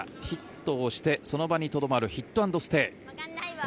ヒットをしてその場にとどまるヒット・アンド・ステイ。